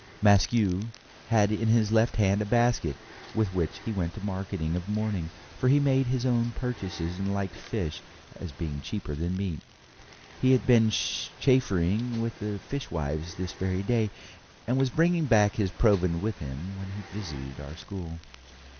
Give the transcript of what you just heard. Maskew had in his left hand a basket, with which he went marketing of mornings, for he made his own purchases, and liked fish, as being cheaper than meat. He had been chaffering with the fishwives this very day, and was bringing back his provend with him when he visited our school.